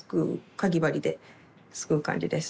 かぎ針ですくう感じです。